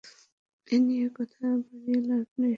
এ নিয়ে কথা বাড়িয়ে লাভ নেই।